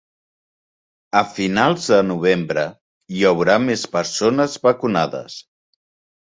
A finals de novembre hi haurà més persones vacunades.